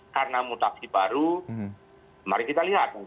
karena mutasi baru mari kita lihat